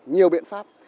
nhiều biện pháp